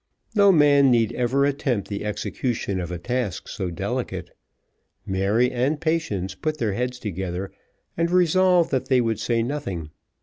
No man need ever attempt the execution of a task so delicate. Mary and Patience put their heads together, and resolved that they would say nothing.